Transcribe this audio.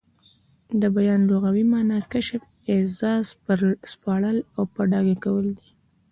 د بیان لغوي مانا کشف، ايضاح، سپړل او په ډاګه کول دي.